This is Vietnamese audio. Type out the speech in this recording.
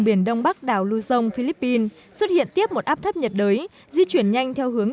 biển đông bắc đảo luzon philippines xuất hiện tiếp một áp thấp nhiệt đới di chuyển nhanh theo hướng